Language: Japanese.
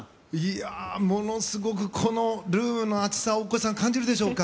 ものすごくこのルームの熱さを大越さん、感じるでしょうか？